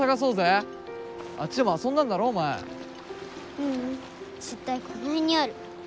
ううん絶対この辺にある。